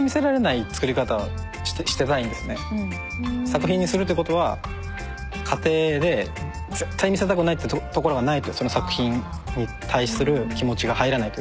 作品にするってことは過程で絶対見せたくないってところがないとその作品に対する気持ちが入らないというか。